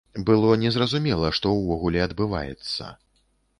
Было незразумела, што ўвогуле адбываецца.